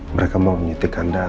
mereka mau menyitikkan dana